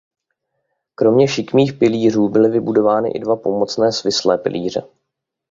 Kromě šikmých pilířů byly vybudovány i dva pomocné svislé pilíře.